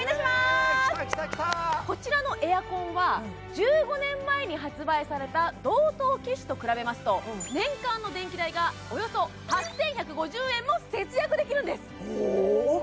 イエーイきたきたきたこちらのエアコンは１５年前に発売された同等機種と比べますと年間の電気代がおよそ８１５０円も節約できるんです